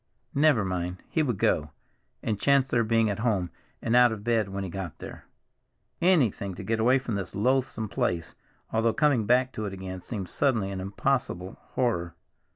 Never mind, he would go, and chance their being at home and out of bed when he got there. Anything to get away from this loathsome place, although coming back to it again seemed suddenly an impossible horror.